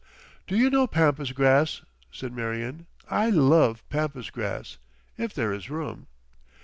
"Do you know Pampas Grass?" said Marion. "I love Pampas Grass... if there is room."